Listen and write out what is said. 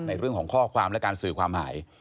ในเรื่องของข้อความและการสื่อความหาย